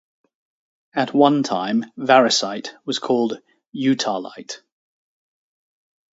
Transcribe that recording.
At one time, variscite was called "Utahlite".